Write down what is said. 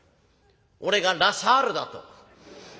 俺がラ・サールだと。